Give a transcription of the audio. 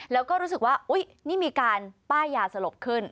แล้วก็รู้สึกว่าอุ๊ยนี่มีการป้ายยาสลบขึ้น